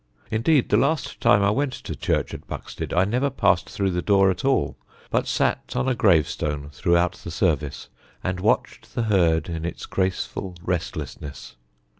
Indeed, the last time I went to church at Buxted I never passed through the door at all, but sat on a gravestone throughout the service and watched the herd in its graceful restlessness.